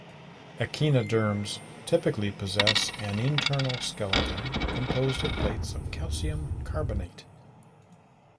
Echinoderms typically possess an internal skeleton composed of plates of calcium carbonate.